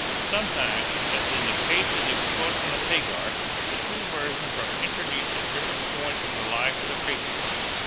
Sometimes, as in the case of the expulsion of Hagar, the two versions are introduced at different points in the life of the patriarch.